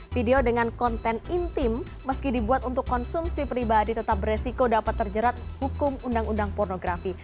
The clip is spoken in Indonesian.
video dengan konten intim meski dibuat untuk konsumsi pribadi tetap beresiko dapat terjerat hukum undang undang pornografi